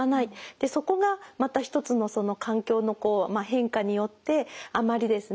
そこがまた一つの環境の変化によってあまりですね